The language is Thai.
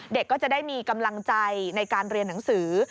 ก็จะได้มีกำลังใจในการเรียนหนังสือ